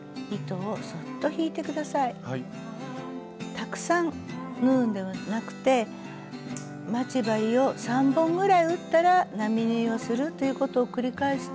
たくさん縫うんではなくて待ち針を３本ぐらい打ったら並縫いをするということを繰り返すと丁寧に縫っていきます。